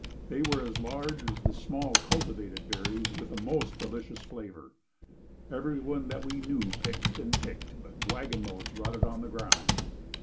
They were as large as the small cultivated berries with a most delicious flavor. Everyone that we knew picked and picked but wagon loads rotted on the ground.